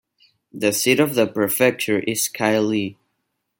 The seat of the prefecture is Kaili.